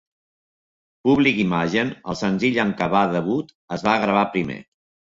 "Public Image", el senzill amb què va debut, es va gravar primer.